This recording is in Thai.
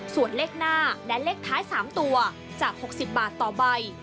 ส่วนเลขหน้าและเลขท้าย๓ตัวจาก๖๐บาทต่อใบ